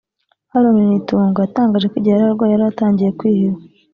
Aaron Nitunga yatangaje ko igihe yari arwaye yari yatangiye kwiheba